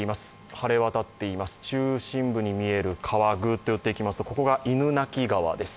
晴れ渡っています、中心部に見える川、グーッと寄っていきますとここが犬鳴川です。